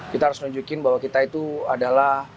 kita harus nunjukin bahwa kita itu adalah